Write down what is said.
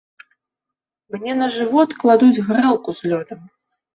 Мне на жывот кладуць грэлку з лёдам.